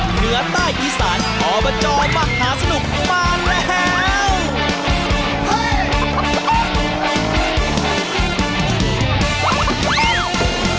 เหนือใต้อีสานอบจมหาสนุกมาแล้ว